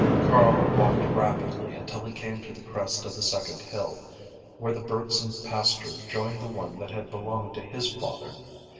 Carl walked rapidly until he came to the crest of the second hill, where the Bergson pasture joined the one that had belonged to his father.